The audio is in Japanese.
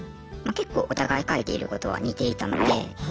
けっこうお互い書いていることは似ていたので。